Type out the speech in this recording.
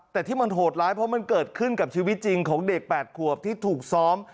แต่ที่มันโหดร้ายเพราะมันเกิดขึ้นกับชีวิตจริงของเด็ก๘ขวบที่ถูกซ้อม